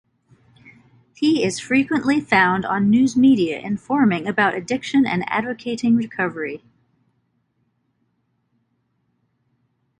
He is frequently found on news media informing about addiction and advocating recovery.